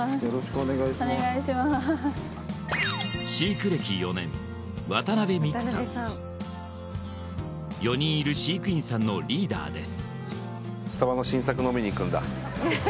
お願いしまーす４人いる飼育員さんのリーダーです